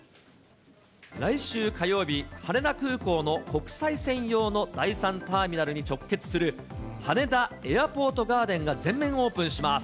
来週火曜日、羽田空港の国際線用の第３ターミナルに直結する、羽田エアポートガーデンが全面オープンします。